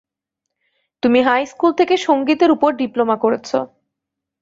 তুমি high school থেকে সঙ্গীতের উপর ডিপ্লোমা করেছ।